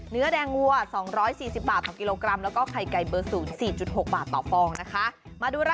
เนื้อแดงวัว๒๔๐บาทต่อกิโลกรัม